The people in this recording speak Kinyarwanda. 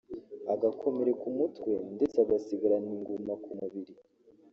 agakomereka umutwe ndetse agasigarana inguma ku mubiri